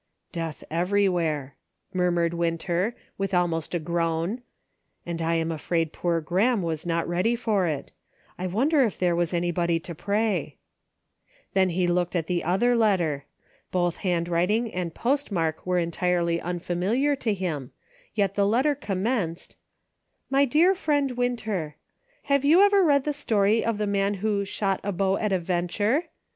"Death everywhere," murmured Winter, with almost a groan, "and I am afraid poor Grahame was not ready for it ; I wonder if there was any body to pray }" Then he looked at the other letter. Both handwriting and postmark were en tirely unfamiliar to him, yet the letter commenced : My dear friend Winter : Have you ever read the story of the man who " shot a bow at a venture